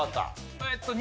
えっと２。